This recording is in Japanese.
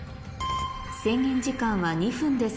制限時間は２分です